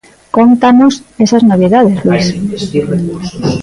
Cóntanos esas novidades, Luís.